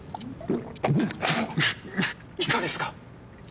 いかがですか？